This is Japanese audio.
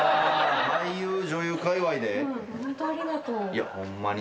いやホンマに。